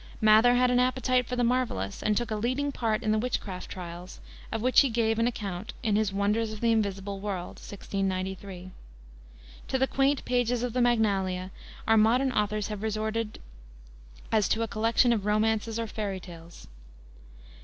Mather had an appetite for the marvelous, and took a leading part in the witchcraft trials, of which he gave an account in his Wonders of the Invisible World, 1693. To the quaint pages of the Magnalia our modern authors have resorted as to a collection of romances or fairy tales.